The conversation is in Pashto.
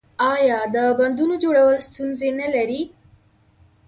آیا د بندونو جوړول ستونزې نلري؟